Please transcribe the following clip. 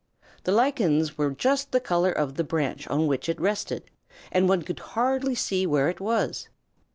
The lichens were just the color of the branch on which it rested, and one could hardly see where it was.